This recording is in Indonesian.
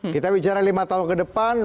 kita bicara lima tahun ke depan